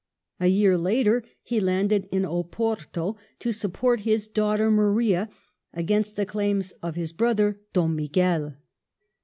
A year later he landed in Oporto to support his daughter Maria against the claims of his brother Dom Miguel.